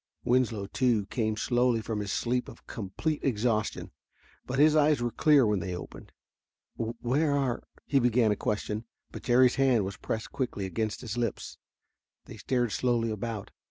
Winslow, too, came slowly from his sleep of complete exhaustion, but his eyes were clear when they opened. "Where are " he began a question, but Jerry's hand was pressed quickly against his lips. They stared slowly about.